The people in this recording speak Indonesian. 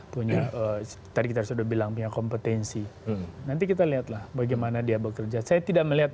punya tadi kita sudah bilang punya kompetensi nanti kita lihatlah bagaimana dia bekerja saya tidak melihat